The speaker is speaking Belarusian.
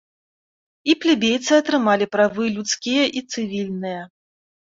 І плебейцы атрымалі правы людскія і цывільныя.